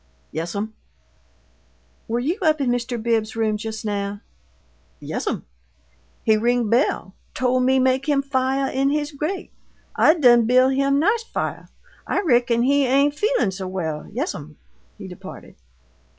"Yes'm?" "Were you up in Mr. Bibbs's room just now?" "Yes'm. He ring bell; tole me make him fiah in his grate. I done buil' him nice fiah. I reckon he ain' feelin' so well. Yes'm." He departed.